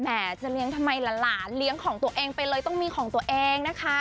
จะเลี้ยงทำไมหลานเลี้ยงของตัวเองไปเลยต้องมีของตัวเองนะคะ